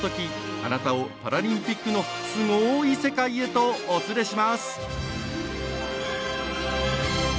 あなたをパラリンピックのすごい世界へとお連れします。